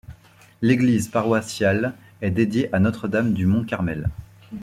L'église paroissiale est dédiée à Notre-Dame-du-Mont-Carmel.